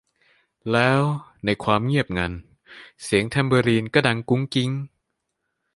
แล้ว ในความเงียบงัน เสียงแทมเบอรีนก็ดังกุ๊งกิ๊ง